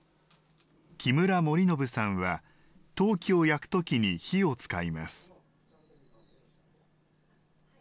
木村盛伸さんは陶器を焼く時に火を使います。